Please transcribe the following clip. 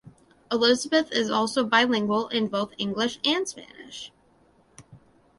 Elizabeth is also bilingual in both English and Spanish.